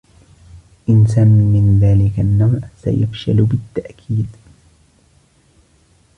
إنسان من ذلك النوع سيفشل بالتأكيد.